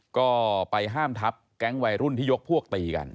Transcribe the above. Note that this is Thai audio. ก็ไปห้ามทับแก๊งวัยรุ่นที่ยกพวกตีกัน